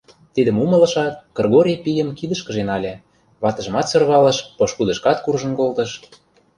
Тидым умылышат, Кыргорий пийым кидышкыже нале, ватыжымат сӧрвалыш, пошкудышкат куржын колтыш.